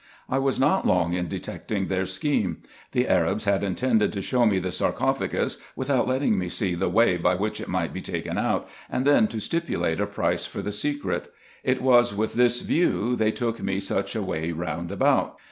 I was not long in detecting their scheme. The Arabs had intended to show me the sarcophagus, without letting me see the way by which it might be taken out, and then to stipulate a price for the secret. It was with this view they took me such a way round about.